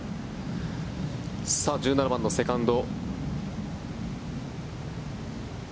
１７番のセカンド。